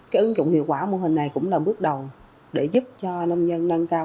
cái ứng dụng hiệu quả mô hình này cũng là bước đầu để giúp cho nông dân nâng cao